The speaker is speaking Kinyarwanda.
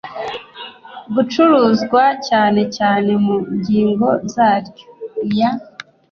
gucuruzwa cyane cyane mu ngingo zaryo iya